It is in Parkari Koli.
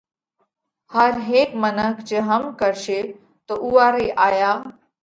هر هيڪ منک جي هم ڪرشي تو اُوئا رئِي آيا